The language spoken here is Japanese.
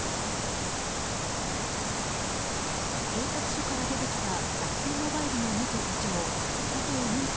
警察署から出てきた楽天モバイルの元部長佐藤友紀